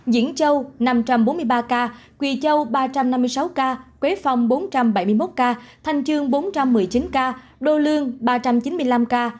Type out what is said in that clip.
diễn châu năm trăm bốn mươi ba ca quỳ châu ba trăm năm mươi sáu ca quế phong bốn trăm bảy mươi một ca thanh trương bốn trăm một mươi chín ca đô lương ba trăm chín mươi năm ca